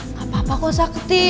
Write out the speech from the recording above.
gak apa apa kok sakti